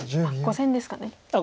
５線ですかね。